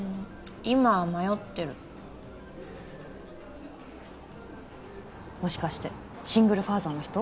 今は迷ってるもしかしてシングルファザーの人？